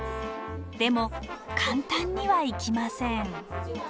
でも簡単にはいきません。